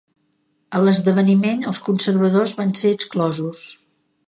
A l'esdeveniment, els conservadors van ser exclosos.